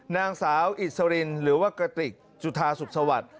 นางสาวอิสรินหรือว่ากระติกจุธาสุขสวัสดิ์